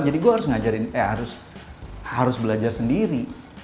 jadi gue harus ngajarin eh harus belajar sendiri